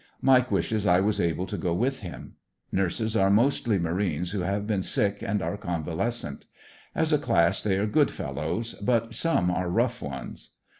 Mike wishes I was able to go w.tli him. Nurses are mostly marines who have been sick and are convalescent. As a class they are good fellows, but some are rough ones